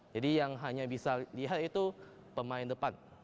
jadi yang hanya bisa lihat itu pemain depan